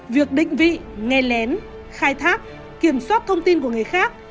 việc định vị nghe lén khai thác kiểm soát thông tin của người khác